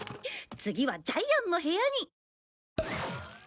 次はジャイアンの部屋に。